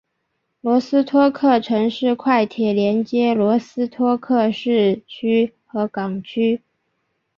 罗斯托克城市快铁连接罗斯托克市区和港区。